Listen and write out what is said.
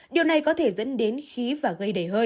điều này có thể dẫn đến khí và gây đầy hơi